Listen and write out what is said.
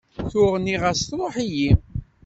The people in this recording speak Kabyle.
Tuɣ nniɣ-as truḥeḍ-iyi.